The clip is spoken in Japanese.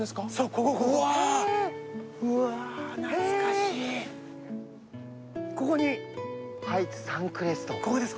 ここここうわここにハイツサンクレストここです